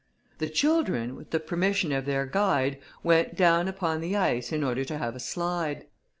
The children, with the permission of their guide, went down upon the ice in order to have a slide.